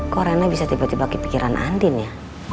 kok rena bisa tiba tiba kepikiran andin ya